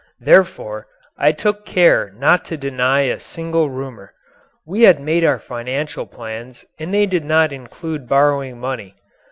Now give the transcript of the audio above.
Therefore, I took care not to deny a single rumour. We had made our financial plans and they did not include borrowing money.